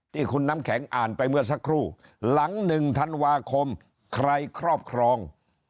ที่คุณน้ำแข็งอ่านไปเมื่อสักครู่หลัง๑ธันวาคมใครครอบครอง